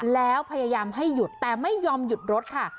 แล้วพยายามให้หยุดแต่ไม่ยอมหยุดรถค่ะ